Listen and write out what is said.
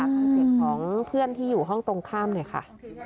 จังหัวของเพื่อนที่อยู่ห้องตรงข้ามค่ะ